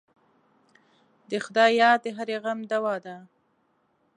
د خدای یاد د هرې غم دوا ده.